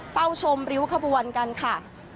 เฝ้าชมริ้วขบวนกันค่ะ